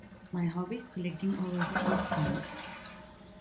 My hobby is collecting overseas stamps.